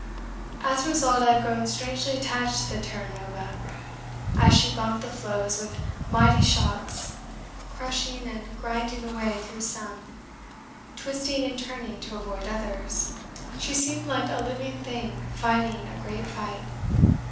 As a result I have grown strangely attached to the Terra Nova. As she bumped the floes with mighty shocks, crushing and grinding a way through some, twisting and turning to avoid others, she seemed like a living thing fighting a great fight.